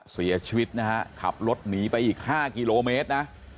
เสียชีวิตนะฮะขับรถหนีไปอีก๕กิโลเมตรนะ